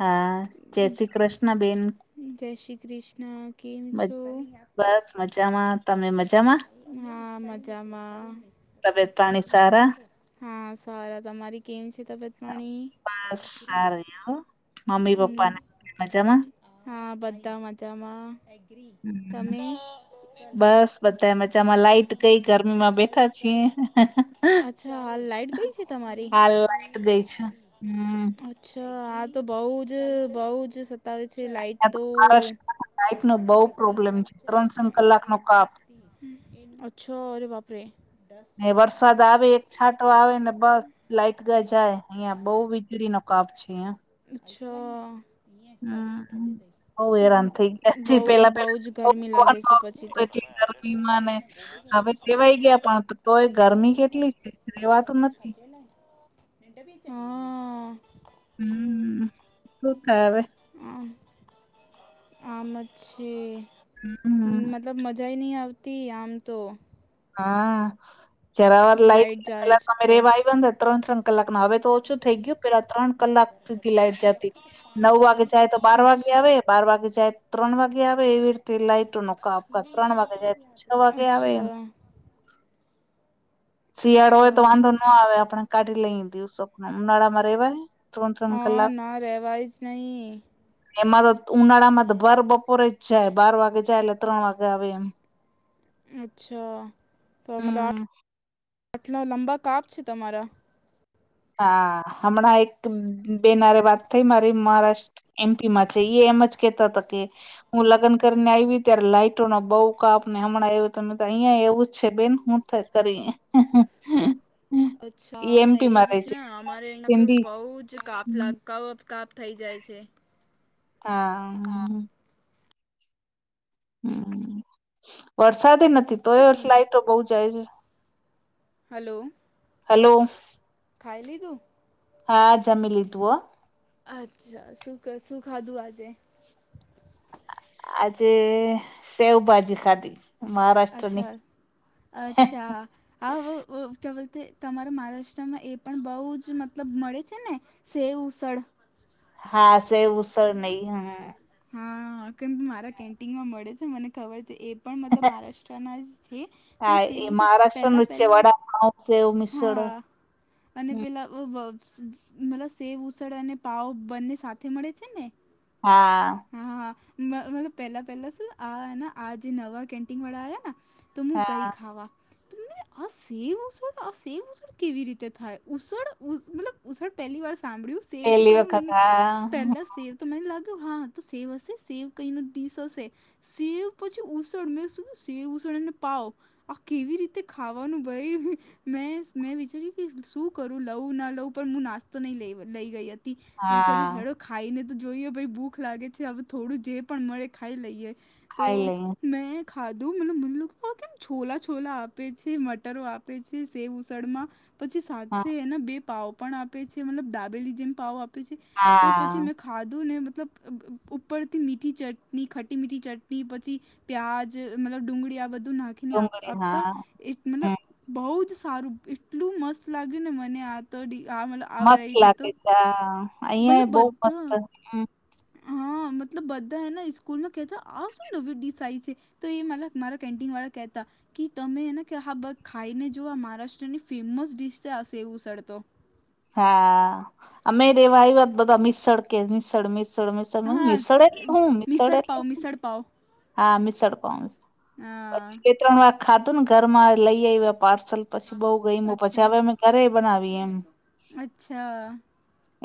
હા, જય શ્રી કૃષ્ણ બેન. જય શ્રી કૃષ્ણ, કેમ છો? બસ મજામાં. તમે મજામાં? હા, મજામાં. તબિયત પાણી સારા હા, સારા તમારી કેમ છે તબિયત? પાણી બસ સારા છે હો. મમ્મી પપ્પાને મજામા? હા, બધા મજામાં હમ, તમે? બધા મચામાં લાઈટ કઈ ગરમીમાં બેઠા છીએ. અચ્છા હાલ લાઈટ ગઈ છે તમારી હાલ લાઉટ ગઈ છે, હમ્મ. અચ્છા, આ તો બઉ જ બહુ જ સતાવે છે લાાઈટ તો મહારાષ્ટ્રમાં લાઈટ નો બહુ [unintelligible] પ્રોબ્લેમ છે એગ્રીકલ્ચર ત્રણ ત્રણ કલાક નો કાપ ઓછોરે વાપરે એ વરસાદ આવે એક છાંટો આવે ને બસ લાઇટ ગ જાય અહિયાં બઉ વીજળી નો મુ કાપ છે. અ અચ્છા. હમ. બઉ હેરાન થઈ ગયા છે બઉ જ પેલા બઉ જ પેલા ગરમી લાગે છે, પછી તો. એટલી ગરમીમાં ને હવે ટેવાય ગયા પણ તોય ગરમી કેટલી છે રેવાતું નથી. [unintelligible] [inaudible] હાઅઅઅ હમ શું થાય હવે.? આમ આમાં છી હમ્મ, મતલબ મજા નહીં આવતી આમ તો હા જરાવર લાઈટ જાય જ પેલા તમે તો રેવા આવીને ત્રણ ત્રણ કલાક ના હવે તો ઓછું થઈ ગયું પેલા ત્રણ કલાક સુધી લાઈટ જતી નવ વાગે જાય તો બાર વાગે અચ્છા આવે. બાર વાગે જાય ત્રણ વાગે આવે એવી રીતે લાઈટ કામકાજ ત્રણ વાગે જાય તો છ વાગે આવે એમ. અચ્છા શિયાળો હોય અચ્છા તો વાંધો ન આવે આપણે કાઢી લઈ દિવસો પણ ઉનાળામાં રેવાય.? ત્રણ ત્રણ હા કલાક ના રેવાય જ નહીં. એમાં તો ઉનાળામાં તો ભર બપોરે જ જાય બાર વાગે જાય એટલે ત્રણ વાગે આવે એમ. અચ્છા. તો મતલબ [inaudible] લંબા કાપ છે તમારા? હા. હમણાં એક બેન હારે વાત થઈ મારી મહારાષ્ટ્ એમ પીમાં છે ઈએ એમ જ કહેતા તા કે હું લગન કરીને આઈવી ત્યારે લાઈટો નો બઉ કાપ ને હમણાં એવું તો નતા. અહિયાંઈ એવું જ છે બહેન. હું [unintelligible] કરીએ. અચ્છા. હા એ જજ ના. અમારે અહિયાં પે સિંધી બહુ જ કાપ લાગ કવત કાપ થઈ જાય છે. હા. હા. હમ્મ. વરસાદી નથી તો શું એઈ તમને લાઇટો બહુ જાય છે. હલો. હલો. ખાઈ લીધું? હા જમી લીધું હો. અચ્છા. શું ક શું ખાધું આજે? આજે સેવભાજી ખાધી. મહારાષ્ટ્રની અચ્છા-અચ્છા. [unintelligible] તમારા મહારાષ્ટ્રમાં એ પણ બહુ જ મતલબ મળે છે ને. સેવ ઉસળ હા સેવ ઉસળ ને ઈ હમ્મ. હા. કેમ મારા કેન્ટીનમાં મળે છે. મને ખબર છે એ પણ મતલબ મહારાષ્ટ્રના જ છે. તે હા એ સેવું છે. મહારાષ્ટ્ર નું જ છે પહેલા-પહેલા વડાપાઉ સેવ મિસળ. અને પહેલા [unintelligible] મતલબ સેવ ઉસળ અને પાવ બંને સાથે મળે છે ને? હા. હા. [unintelligible] પહેલા-પહેલા શું આના આ જે નવા કેન્ટિન વાળા આયા ના તો હું ગઈ હા ખાવા. તમને આ સેવ ઉસળ આ સેવ ઉસળ કેવી રીતે થાય? ઉસળ મતલબ ઉસળ પહેલી વાર સાંભળ્યું. સેવ તો પેલી ચલો વખત મને, હા પહેલા સેવ તો મને લાગ્યું હા તો સેવ હશે, સેવ કંઈ ન ડીશ હશે. સેવ પછી ઉસળ, મે શું સેવ ઉસળ અને પાવ આ કેવી રીતે ખાવાનું ભઈ? મેં-મેં વિચાર્યું કે શું કરું લઉુ, ના લઉં? પણ હું નાસ્તો નહીં લઈ લઈ ગઈ હત તી. તો હા વિચાર્યું [unintelligible] ખાઈને તો જોઈએ, ભઈ ભૂખ લાગે છે, હવે થોડું જે પણ મળે ખાઈ લઈએ. ખાઈ તો લઈ મેં ખાધું [unintelligible] કેમ છોલા-છોલા આપે છે, મટરો આપે છે સેવ ઉસળમાં. પછી હા સાથે એના બે પાવ પણ આપે છે, મતલબ દાબેલી જેમ પાવ આપ પે છે. તો પછી હા મે ખાધું ને મતલબ ઉપરથી મીઠી ચટની, ખટી-મીઠી ચટની પછી પ્યાજ મતલબ ડુંગળી આ બધું નાખીને આપ ડુંગળી આપતા. હા એક મતલબ હમ બહું જ સારું, એટલું મસ્ત લાગ્યું ને મને. આ તડી આ [unintelligible] મસ્ત લાગે તો છે હા. અહીંયાઈ મતલબ બહું બધા મસ્ત, હમ્મ. હા મતલબ બધા એના સ્કૂલના કહેતા, આ શું નવી ડીશ આઈ છે? તો ઈ મતલબ મારા કેન્ટિન વાળા કહેતા. કે તમે એને કે હા બ ખાઈને જો આ મહારાષ્ટ્રની ફેમસ ડિશ શે આ સેવ ઉસળ તો હા અમે રેવા આયવા બધા મિસળ કે મિસળ મી મિસળ મિસળ નહી હા મિસળ એટલે સ- હું મિસળ એટલે પાવ હું મિસળ પાવ હા મિસળ પાઉ હા પછી બે ત્રણ વાર ખાધું ને ઘર માં લઈ આયવા પાર્સલ પછી બહુ ગઈમુ પછી અચ્છા હવે અમે ઘરે બનાવી એમ અચ્છા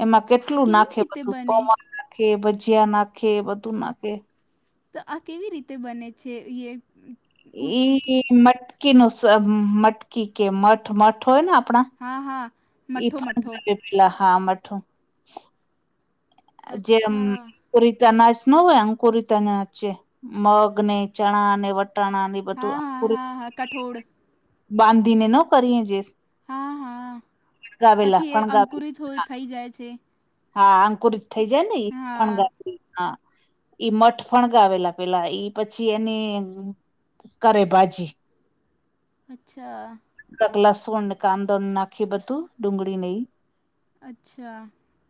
એમાં કેટલું કેવી નાખે રીતે બધું બને પૌંઆ નાખે ભજીયા નાખે બધું નાખે તો આ કેવી રીતે બને છે ઈએ ઈ મટકી નું સ મટકી કે મઠ મઠ હોય ને આપણા હા હા. એ મઠ્ઠો મઠ્ઠો [unintelligible] પેલા હા મઠું આ જેમ અચ્છા કુરિતા નાશ નો હોય અંકુરિત અનાજ છે મગ ને ચણા ને વટાણાને બધું હા હા અંકુરિત હા હા કઠોળ બાંધીને ન કરીએ જે હા હા ફણગાવેલા પછી એ ફણગાવેલા અંકુરિત હોય હા થઈ જાય છે હા અંકુરીત થઈ જાય ને ઈ ફણ હા હા ઈ મઠ ફણગાવેલા પેલા ઈ પછી એની કરે ભાજી અચ્છા કક લસુણ ને કાંદો નાખી બધું ડુંગળી ને ઈ અચ્છા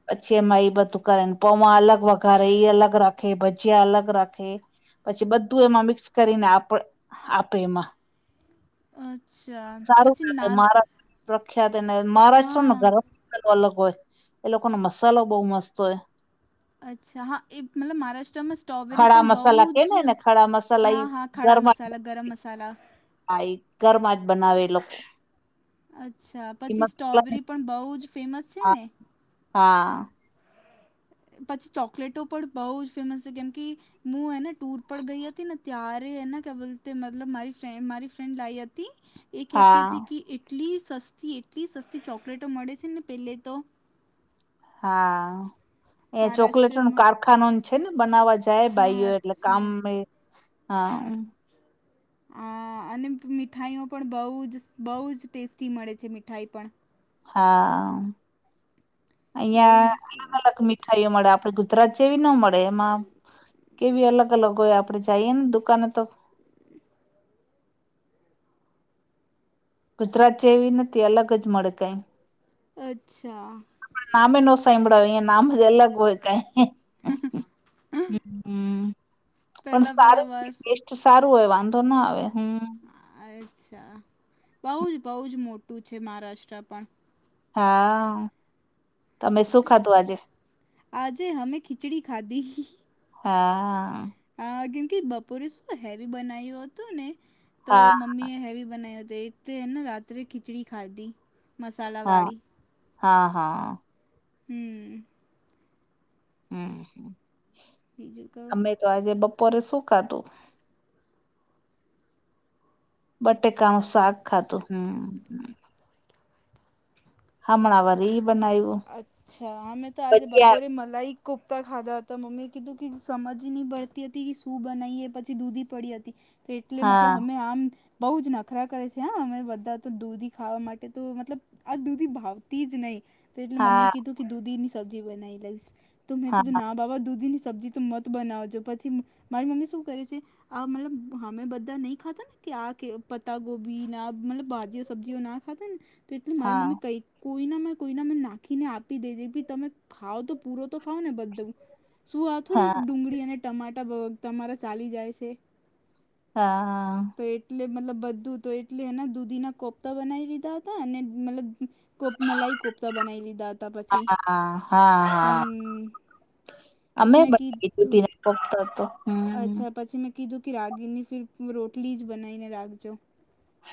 પછી એમાં એ બધું કરેન પોવા અલગ વઘારે એ અલગ રાખે ભજીયા અલગ રાખે પછી બધું એમાં મિક્સ કરીને આપ આપે એમાં અચ્છા સારું પછી મારે નાગ મારા પ્રખ્યાત એને મહારાષ્ટ્રનો હા ગરમ મસાલો અલગ હોય એ લોકોનો મસાલો બહુ મસ્ત હોય અચ્છા હા એ મતલબ મહારાષ્ટ્રમાં સ્ટ્રોબેરી ખડા પણ બહુ મસાલા કે ને જ એને ખડા મસાલા ઈ હા હા ખડા મસાલા ગરમ મસાલા હાઈ ઘરમાં જ બનાવેલો અચ્છા પછી સ્ટ્રોબેરી પણ બહુ જ ફેમસ છે હા ને હા. પછી ચોકલેટો પણ બહુ જ ફેમસ છે કેમ કે ઈ મું હેને ટુર પર ગઈ હતી ને ત્યારે એને કે બોલતે હે મતલબ મારી મારી ફ્રેન્ડ લાઈ હતી એ કહેતી હા હતી કે એટલી સસ્તી એટલી સસ્તી ચોકલેટો મળે છે ને પહેલે તો હા. એ ચોકલેટ નું મહારાષ્ટ્રમાં કારખાનું છે ને બનાવવા જાય હા ભાઈઓ એટલે અચ્છા કામએ હા. આ અને મીઠાઈઓ પણ બહુ જ બહુ જ ટેસ્ટી મળે છે મીઠાઈ પણ હા, આઇયા અલગ ભાઈ અલગ મિટ ઠાઈયું મળે આપડે ગુજરાત જેવી નો મળે એમાં કેવી અલગ-અલગ હોય આપડે જઈએ ને દુકાને તો એ ગુજરાત જેવી નથી અલગ જ મળે કઈ અચ્છા. અમે નામે એ નો સાાઈબડા હોય આઇયા નામ જ અલગ હોય કોય હમ્મ, પણ પહેલાં સારું. પહેલાં વાર સારું હોય, વાંધો ના આવે, હમ્મ. અચ્છા, બહુજ બહુજ મોટું છે મહારાષ્ટ્ર પણ. હા, તમે શું ખાધું આજે? આજે હમે ખીચડી ખાધી. હા. હા, કયુકે બપોરે શું હેવી બનાવું હતું ને. તો હા મમ્મી એ હેવી બનાયો, તે એક તોને રાત્રે ખીચડી ખાધી, હા મસાલાવાળી... હા, હા. હમમ. હમમ હમમ. બીજું કવ તો આજે બપોરે શું ખાધું? બટેકાનું શાક ખાધું, હમ્મ. હમણાં વરી ઈ બનાયું. અચ્છા, અમે તો આજે બપોરે મલાઈ કોકતા ખાધા હતા મમ્મી એ કીધું કે સમજ નય પડતી હતી કે શું બનાવીએ પછી દૂધી પડી હતી. એટલે મતલબ હા અમે આમ. બોવ જ નખરા કરે છે હા અમે બધા તો દૂધી ખાવા માટે તો મતલબ આ ધુધી ભાવતી જ નહી. તે એટલે મમ્મી હા એ કીધુંકે દૂધની સબ્જી બવીઈ દઈશ, તો મેં હા કીધું ના બાબા દૂધીની સબજી... મત બનાવજો, પછી મારી મમ્મી શું કરે છે. આ મતલબ અમે બધા નહી ખાતા ને કયા આ કે પત્તા ગોભીના મતલબ ભાજ સબ્જઓના... ખતન... તો એટલે મારી હા મમ્મી કઈ કોઈનામેં કોઈનામેં નાખીને આપી દે જે ભી તમે ખાવ તો... પૂરો તો ખાવ ને બધું શું આ થોડી હા ડુંગળી અને ટમાટર તમારા ચાલી જાય છે. હા હા. તો એટલે મતલબ બધું તો એટલે એના દૂધીના કોફતા બનાવી લીધા હતા અને મતલબ કોપ મલાઈ કોફતા બનાવી લીધા હતા પછી હા હા હા હમ્મ.. અમે પછી મે કી બનાવી દૂધી ધૂપ ના કોફતા તો હમ અચ્છા પછી મે... કીધું કે રાગીની ફીર રોટલી જ બનાવીને રાખજો.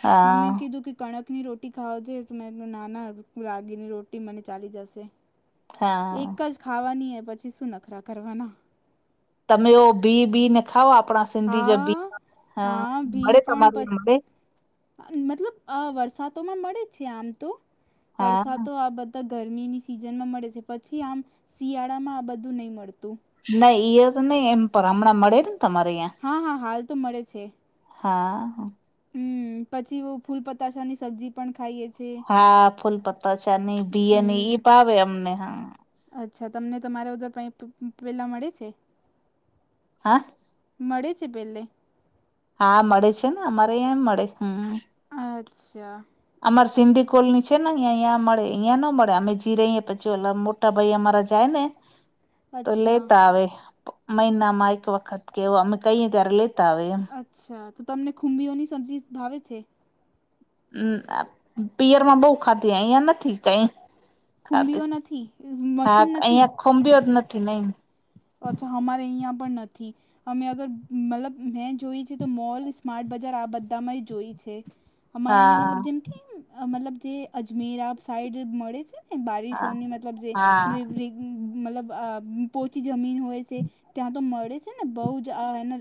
હા મમ્મી કીધું કે કણક ની રોટી ખાવ જોઈએ તો મે નાના રાગીની રોટી મને ચાલી જશે. હા એક જ ખાવાની એ પછી શું નખરા કરવાના. તમે ભી બીને ખાવ આપણા સિંધી જે બી હા હ હા ભી મળે પણ તમારે પ- માટે... મતલબ આ વરસાદો માં મળે છે આમ તો હા વરસાદ આ બધ તો ગરમીની સિઝનમાં મળે છે પછી આમ શિયાળામાં આ બધું નહીં મળતું. નઈ ઈ તો એમ પણ હમણાં મળે ને તમારે અયા હા, હા હાલ તો મળે છે. હા. હમમ, પછી ફૂલ પતાસા ની શબ્જી પણ ખાઈએ છીએ, હા ફૂલ પતા ચાની બીયની હમ ઈ ભાવે અમને હા અચ્છા તમને તમારા પ પેલા મળે છે. હ મળે છે પહેલે, હા, મળે છે ને, અમારે અહીં એમ મળે. હમ અચ્છા. અમાર સિંધી કોલની છે ને અહીંયા અહીંયા મળે અહીંયા ન મળે અમે જી રહીએ પછી ઓલા મોટા ભાઈ અમારા જાય ને [unintelligible] [unintelligible] [inaudible] [inaudible] તો અચ્છા લેતા આવે મહિનામાં એક વખત કેવ અમે કઈ ત્યારે લેતા આવે એમ. અચ્છા તો તમને ખુંબીઓની સબ્જી ભાવે છે? મ પીયરમાં બહુ ખાધી, આયા નથી કાઈ. ખુંબીઓ નથી [unintelligible] નથી ખંભીયો જ નથી નહી. પછી અમારે અહીંયા પણ નથી. અમે અગર મતલબ મેં જોય છે તો મોલ સ્માર્ટ બજાર આ બધામાં જોય છે. અમારા અહીંયા હા મતલબ જેમ કેને મતલબ જે અજમેર સાઈડ મળે છેને? હા બારિશોની મતલબ જે હા [unintelligible] મતલબ પો ઉંચી જમીન હોય છે ત્યાં તો મળે છે ને બહુ જ આ એના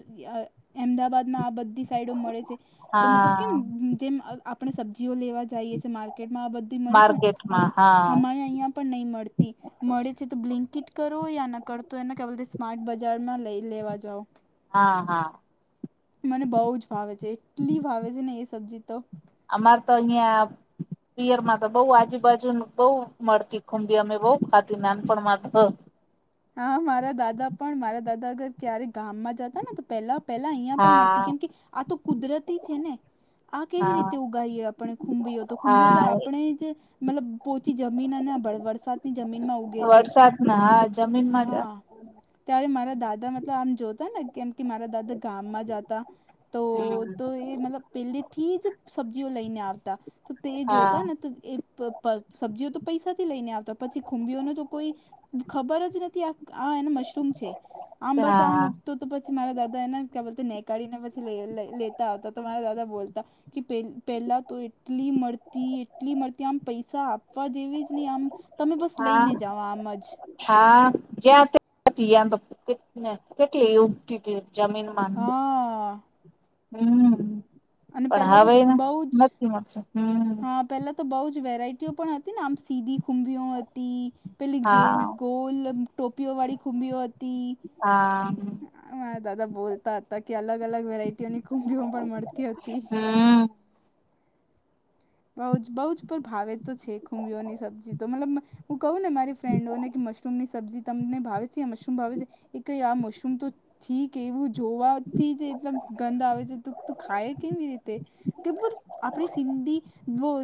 એમદાબાદમાં આ બધી સાઈડો મળે છે તો મતલબ કેમ હા જેમ આપણે સબ્જીઓ લેવા જાઈએ છે માર્કેટમાં આ બધી મળે છે ને માર્કેટમાં હા અમારે અહીંયા, પણ નહીં મળતી મળે છે તો બ્લિંકીટ કરો યા ના કરુ. તો એને ક્યાં બોલતે સ્માર્ટ બજારમાં લઈ લેવા જાવ. હા હા, મને બહુ જ ભાવે છે એટલી ભાવે છે ને એ સબ્જી તો, અમાર તો અહિયાં પિયર માં તો, બઉ આજુબાજુ, બહુ મળતી ખુંબી, અમે બઉ ખાધી નાનપણમાં. હા મારા દાદા પણ મારા દાદા અગર ક્યારે ગામમાં જતા ને તો, પેલા પહેલા અહિયાં પણ મળતી હા કેમ કે આ તો કુદરતી છે ને આ કેવી હા રીતે ઉગાવએ આપણે ખુંબીઓ તો ખુંબીઓ તો હા આપણે જ મતલબ પોચી જમીન અને વરસાદની જમીનમાં છે વરસાદ હા જમીનમાં જ હા ત્યારે મારા દાદા મતલબ આમ જોતા ને કેમ કે મારા દાદા ગામમાં જાતા તો હમ તો એ મતલબ સબ્જીઓ લઈને આવતા તો તે હા જોતા ને તો એ પણ સબ્જીઓ તો પૈસાથી લઈને આવતા પછી ખુંબીઓનો તો કોઈ ખબર જ હા [unintelligible] તો તો પછી મારા દાદા એના ક્યાં બોલતે નેકાળીને પછી લ લઈ લેતા આવતા તો મારા દાદા બોલતા કે, પહે પહેલાં તો એટલી મળતી, એટલી મળતી, આમ પૈસા આપ- ફ એવી જ નહી આમ તમે બસ હા લઈને જઓ આમ જ હા [inaudible] [inaudible] [unintelligible] [inaudible] હા. હમ અને પહેલાં તો પઢાવેને નથી મળતું હમ પેલાતો બહુ જ વેરાયટીઓ પણ હતી ને, આમ સીધી ખુંભી ઓ હતી. પેલી ગેમ હા ગોલ ટોપીઓ વાળી ખુંબીઓ હતી. હા મારા દાદા બોલતા હતા કે, અલગ અલગ વેરાયટીઓની કુંભીઓ પણ મળતી હતી. હમ. બઉ જ બઉ જ પર ભાવે તો છે ખૂબીઓની સબ્જી તો મતલબ હું કવ ને મારી ફ્રેન્ડો કે મશરૂમ ની સબ્જી તમને ભાવે છે મશરૂમ ભાવે છે એ કેય આ મશરૂમ તો છી કેવું જોવાથી જ એકદમ ગંધ આવે છે તું ખાય કેવી રીતે? [unintelligible] આપણી સિંધી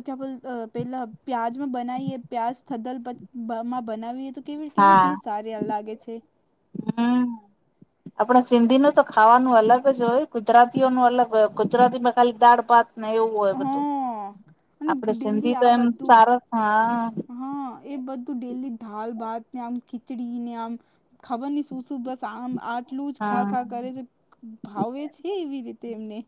[unintelligible] પહેલા પ્યાજ મે બનાઈએ પ્યાજ [unintelligible] બનાવીએ તો કેવી-કેવી રીતની સારી આ લાગે છે. હમ્મ. આપણે સિંધી નું તો ખાવાનું અલગ જ હોય, ગુજરાતીઓ નો અલગ, ગુજરાતીમાં ખાલી દાળ ભાત ને એવું હોય. હ બધું અને આપણે સિંધી ડેલી તો આ એમ બધું સારો જ હા. હા. એ બધું ડેલી ધાલ ભાત ને આમ, ખીચડી ને આમ ખબર નહીં શું-શું બસ આમ આટ ટલું જ હા ખા-ખા કરે છે. ભાવે છે એવી રીતે એમને.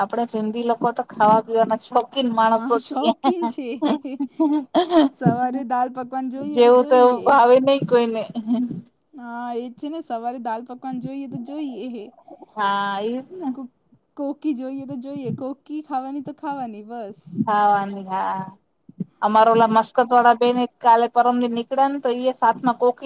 આપણા સિંધી લોકો તો ખાવા પીવા ના શોખ ખીન હા માણસો છીએ. શોખીન છે સવારે દાલ પકવાન જોઈએ તો જેવું તેવું જોઈએ ભાવે નહીં કોઈ ને. હા એજ છે ને. સવારે દાલ પકવાન જોઈએ તો જોઈએ. હા ઈ જ ને. કો- કોકી જોઈએ તો જોઈએ. કોકી ખાવાની તો ખાવાની બસ. ખાવાની હા. અમારા ઓલા એ મસ્કત જ. વાળા બહેને કાલે પરમ દી નીકળા ને તો ઈ એ સાથમાં કોકી